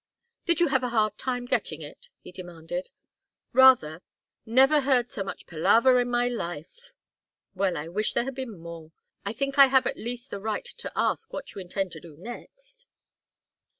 "Did you have a hard time getting it?" he demanded. "Rather. Never heard so much palaver in my life." "Well, I wish there had been more. I think I have at least the right to ask what you intend to do next."